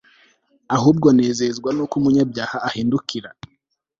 ahubwo nezezwa nuko umunyabyaha ahindukira